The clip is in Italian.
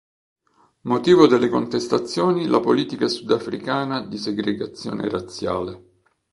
Motivo delle contestazioni la politica sudafricana di segregazione razziale.